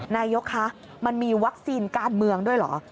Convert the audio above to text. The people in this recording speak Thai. นายกคะมันมีวัคซีนการเมืองด้วยเหรอ